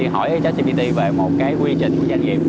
hỏi cho gpt về một cái quy trình của doanh nghiệp